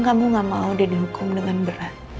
kamu gak mau dia dihukum dengan berat